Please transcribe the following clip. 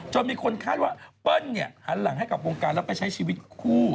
มีคนคาดว่าเปิ้ลหันหลังให้กับวงการแล้วไปใช้ชีวิตคู่